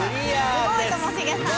すごいともしげさん。